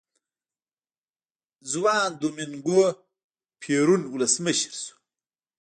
خوان دومینګو پېرون ولسمشر شو.